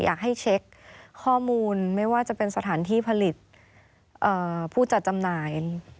อยากให้เช็คข้อมูลไม่ว่าจะเป็นสถานที่ผลิตผู้จัดจำหน่าย